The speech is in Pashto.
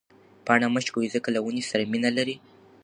پاڼه مه شکوئ ځکه له ونې سره مینه لري.